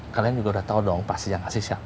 kalian juga udah tahu dong pasti yang kasih siapa